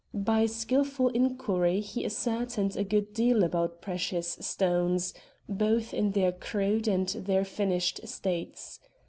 By skilful inquiry he ascertained a good deal about precious stones, both in their crude and their finished states.